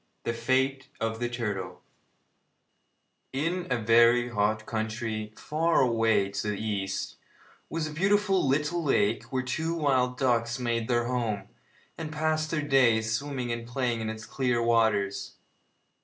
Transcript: THE FATE OF THE TURTLE In a very hot country, far away to the east, was a beautiful little lake where two wild ducks made their home, and passed their days swimming and playing in its clear waters.